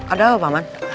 ada apa paman